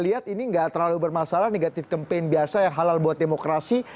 ini gak terlalu bermasalah negatif kempen biasa yang halal buat demokrasi